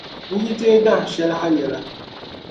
N yi teei dahin shɛli ha yɛla.